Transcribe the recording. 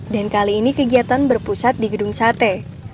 kali ini kegiatan berpusat di gedung sate